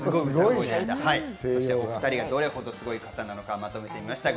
お２人がどれほどすごい方なのかまとめました。